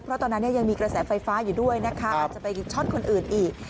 เพราะตอนนั้นยังมีกระแสไฟฟ้าอยู่ด้วยนะคะอาจจะไปช่อนคนอื่นอีก